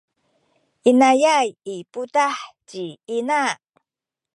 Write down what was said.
inayay i putah ci ina.